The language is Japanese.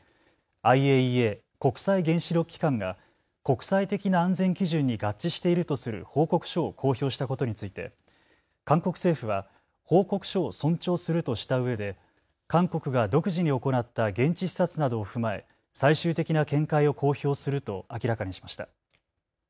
ＩＡＥＡ・国際原子力機関が国際的な安全基準に合致しているとする報告書を公表したことについて、韓国政府は報告書を尊重するとしたうえで韓国が独自に行った現地視察などを踏まえ最終的な見解を公表すると明らかにしました。